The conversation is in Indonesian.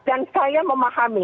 dan saya memahami